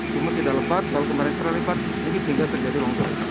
cuma tidak lebat kalau kemarin sore lebat ini sehingga terjadi longsor